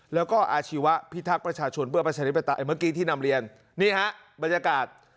แล้วก็อาชีวะพิทักษ์ประชาชนเมื่อกี้ที่นำเรียนนี่ฮะบรรยากาศ